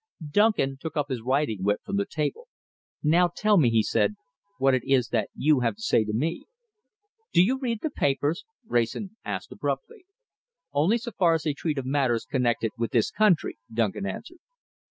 Duncan took up his riding whip from the table. "Now tell me," he said, "what it is that you have to say to me." "Do you read the papers?" Wrayson asked abruptly. "Only so far as they treat of matters connected with this country," Duncan answered.